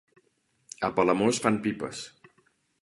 A Palamós fan pipes.